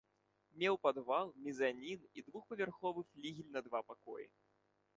Меў падвал, мезанін і двухпавярховы флігель на два пакоі.